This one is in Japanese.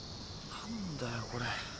何だよこれ？